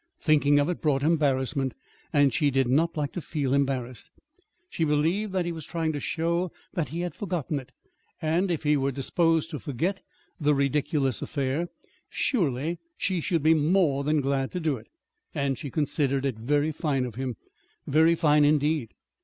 Thinking of it brought embarrassment; and she did not like to feel embarrassed. She believed that he was trying to show that he had forgotten it; and if he were disposed to forget the ridiculous affair, surely she should be more than glad to do it. And she considered it very fine of him very fine, indeed.